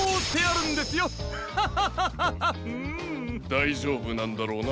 だいじょうぶなんだろうな？